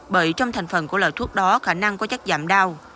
bởi trong thành phần của loại thuốc đó khả năng có chất giảm đau